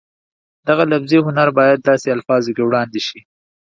دغه لفظي هنر باید داسې الفاظو کې وړاندې شي